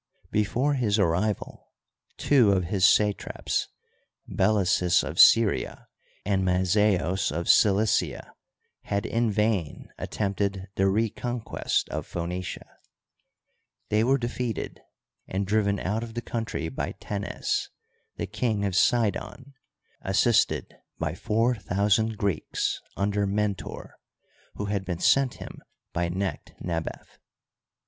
Before his arrival two of his satraps, Belesys of Syria and Mazaeos of Cilicia, had in vain attempted the reconquest of Phoenicia. They were defeated and driven out of the country by TenneSt the King of Sidon, assisted by four thousand ^eeks under Mentor, who had been sent him by Necht Uigitized byCjOOQlC THE PERSIAN CONQUEST. X53 nebef.